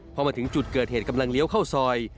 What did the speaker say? พอมาถึงจุดเกิดเหตุกำลังเลี้ยวเข้าซอย